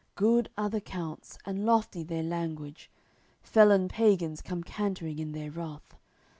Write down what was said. Good are the counts, and lofty their language. Felon pagans come cantering in their wrath.